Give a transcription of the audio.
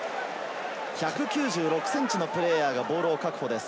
１９６センチのプレーヤーがボールを確保です。